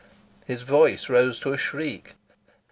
His voice rose to a shriek.